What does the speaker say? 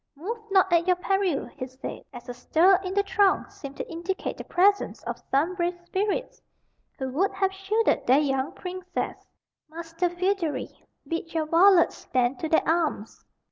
"Move not at your peril," he said, as a stir in the throng seemed to indicate the presence of some brave spirits who would have shielded their young princess. "Master Feodary, bid your varlets stand to their arms."